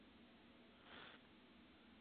La puerta fue sellada con el nombre de Tutankamón.